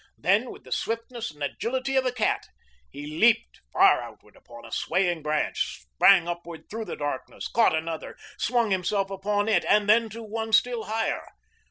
Then, with the swiftness and agility of a cat, he leaped far outward upon a swaying branch, sprang upward through the darkness, caught another, swung himself upon it and then to one still higher.